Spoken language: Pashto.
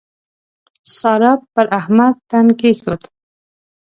سارا پر احمد تن کېښود.